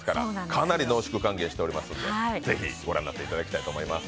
かなり濃縮還元しておりますのでぜひ、ご覧になっていただきたいと思います。